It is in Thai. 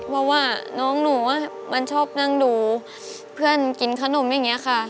เพราะว่าน้องหนูมันชอบนั่งดูเพื่อนกินขนมอย่างนี้ค่ะ